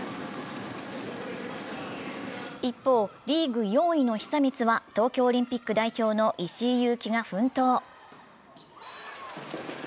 一方、リーグ４位の久光は東京オリンピック代表の石井優希が奮闘。